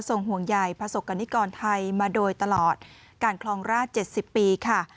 ทรงห่วงใหญ่พระศกกรณิกรไทยมาโดยตลอดการคลองราชเจ็ดสิบปีค่ะ